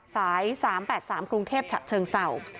สาย๓๘๓กรุงเทพฯฉัดเชิงเสา